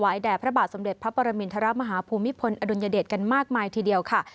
แด่พระบาทสมเด็จพระปรมินทรมาฮภูมิพลอดุลยเดชกันมากมายทีเดียวค่ะ